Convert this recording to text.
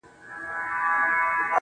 شراب نوشۍ کي مي له تا سره قرآن کړی دی.